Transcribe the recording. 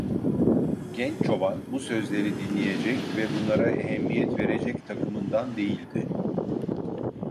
Genç çoban, bu sözleri dinleyecek ve bunlara ehemmiyet verecek takımından değildi.